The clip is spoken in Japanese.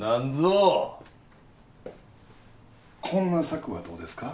こんな策はどうですか？